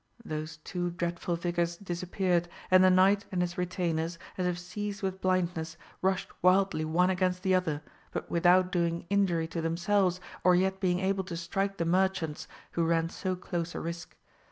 Those two dreadful figures disappeared; and the knight and his retainers, as if seized with blindness, rushed wildly one against the other, but without doing injury to themselves, or yet being able to strike the merchants, who ran so close a risk.